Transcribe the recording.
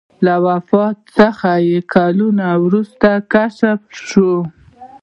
له وفات څخه کلونه وروسته کشف شو.